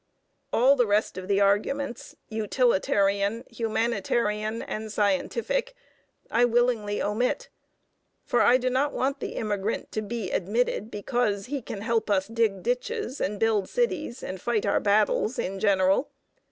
All the rest of the arguments utilitarian, humanitarian, and scientific I willingly omit. For I do not want the immigrant to be admitted because he can help us dig ditches and build cities and fight our battles in general.